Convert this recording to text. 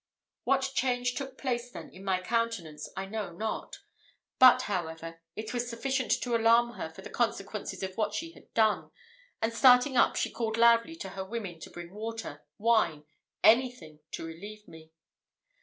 What change took place then in my countenance I know not; but, however, it was sufficient to alarm her for the consequences of what she had done, and starting up, she called loudly to her women to bring water wine anything to relieve me.